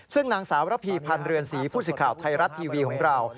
ซึ่งนางสาวระพีพันธ์เรือนศรีผู้สิทธิ์ข่าวไทยรัฐทีวีของเรา